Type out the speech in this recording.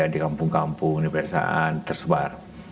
di kampung kampung di pedesaan tersebar